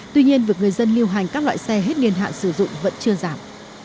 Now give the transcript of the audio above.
tuy nhiên việc người dân lưu hành các loại xe hết niên hạn sử dụng vẫn chưa giảm